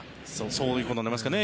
そういうことになりますかね。